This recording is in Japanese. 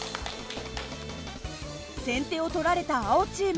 先手を取られた青チーム。